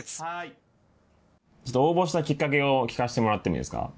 応募したきっかけを聞かせてもらってもいいですか。